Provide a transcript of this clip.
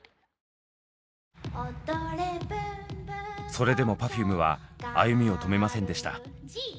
それでもＰｅｒｆｕｍｅは歩みを止めませんでした。